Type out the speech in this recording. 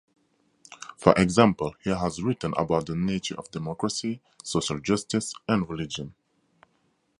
For example, he has written about the nature of democracy, social justice and religion.